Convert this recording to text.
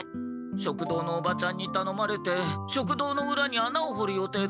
食堂のおばちゃんにたのまれて食堂のうらに穴を掘る予定だったんだけど。